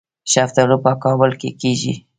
شفتالو په کابل کې کیږي